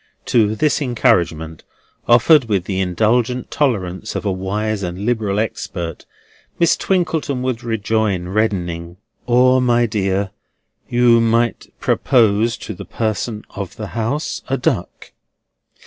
To this encouragement, offered with the indulgent toleration of a wise and liberal expert, Miss Twinkleton would rejoin, reddening: "Or, my dear, you might propose to the person of the house a duck."